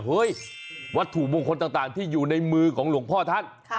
เฮ้ยวัตถุมงคลต่างที่อยู่ในมือของหลวงพ่อท่าน